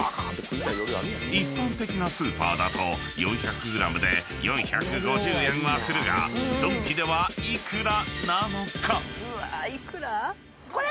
［一般的なスーパーだと４００ｇで４５０円はするがドンキでは幾らなのか？］